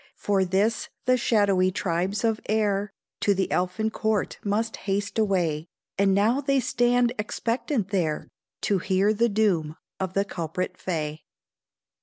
For this the shadowy tribes of air To the elfin court must haste away: And now they stand expectant there, To hear the doom of the Culprit Fay.